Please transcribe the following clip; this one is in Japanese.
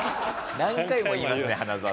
何回も言いますね花澤さん。